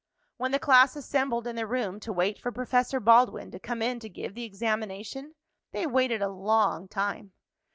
When the class assembled in the room to wait for Professor Baldwin to come in to give the examination, they waited a long time.